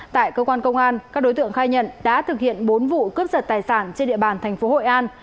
tại cơ quan công an các đối tượng khai nhận đã thực hiện bốn vụ cướp sật tài sản trên địa bàn tp hội an